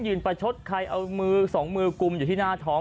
ประชดใครเอามือสองมือกุมอยู่ที่หน้าท้อง